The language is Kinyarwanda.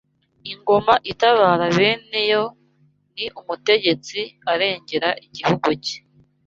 Ingoma itabara bene yo ni Umutegetsi arengera igihugu cye